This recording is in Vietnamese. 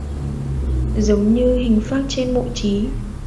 Giống như hình phác trên mộ chí